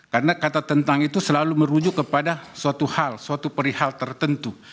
karena kata tentang itu selalu merujuk kepada suatu hal suatu perihal tertentu